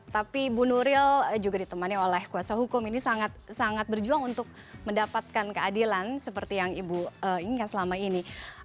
tapi ibu nuril juga ditemani oleh kuasa hukum ini sangat berjuang untuk mendapatkan keadilan seperti yang ibu inginkan selama ini